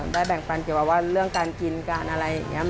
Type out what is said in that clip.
แบ่งปันเกี่ยวกับว่าเรื่องการกินการอะไรอย่างนี้